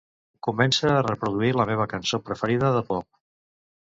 Comença a reproduir la meva cançó preferida de pop.